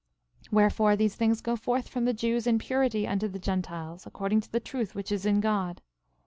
13:25 Wherefore, these things go forth from the Jews in purity unto the Gentiles, according to the truth which is in God.